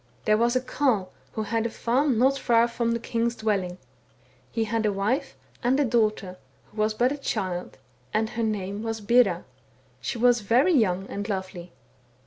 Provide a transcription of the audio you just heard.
" There was a Carle who had a farm not far from the king's dwelling ; he had a wife, and a daughter, who was but a child, and her name was Bera ; she was very young and lovely.